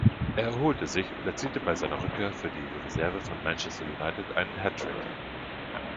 Er erholte sich und erzielte bei seiner Rückkehr für die Reserve von Manchester United einen Hattrick.